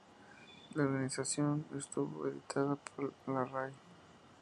La organización estuvo editada por la Rai.